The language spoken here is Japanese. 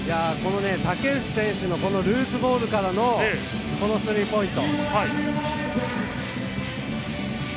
竹内選手のルーズボールからの、このスリーポイント。